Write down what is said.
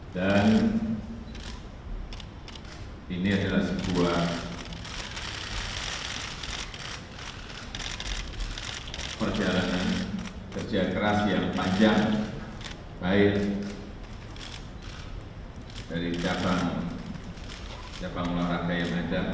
dan ini adalah sebuah perjalanan kerja keras yang panjang baik dari capang capang olahraga yang ada